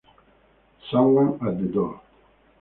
Someone at the Door